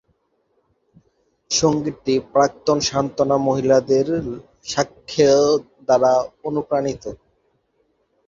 সংগীতটি প্রাক্তন সান্ত্বনা মহিলাদের সাক্ষ্য দ্বারা অনুপ্রাণিত।